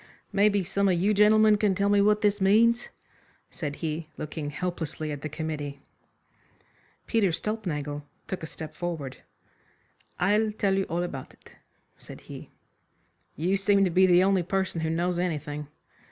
"Maybe some of you gentlemen can tell me what this means," said he, looking helplessly at the committee. Peter Stulpnagel took a step forward. "I'll tell you all about it," said he. "You seem to be the only person who knows anything."